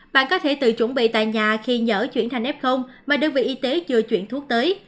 bạn có thể tự chuẩn bị tại nhà khi nhỡ chuyển thành f mà đơn vị y tế chưa chuyển thuốc tới